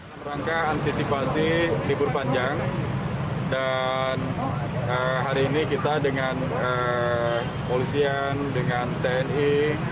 dalam rangka antisipasi libur panjang dan hari ini kita dengan polisian dengan tni